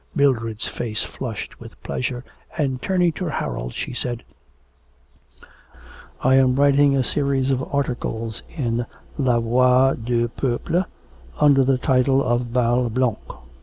Mildred's face flushed with pleasure, and, turning to Harold, she said: 'I am writing a series of articles in La Voix du Peuple under the title of Bal Blanc.'